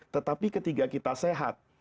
tetapi ketika kita sehat